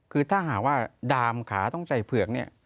คือถ้าหากว่าดามขาต้องใส่เผือกเนี่ย